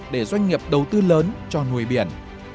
để doanh nghiệp đầu tư lớn cho nuôi biển